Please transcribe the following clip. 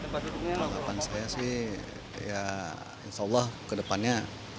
penyemprotan saya sih ya insya allah ke depannya